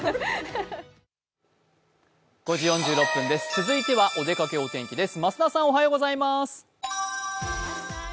続いてはお出かけお天気です。